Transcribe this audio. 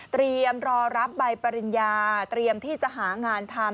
รอรับใบปริญญาเตรียมที่จะหางานทำ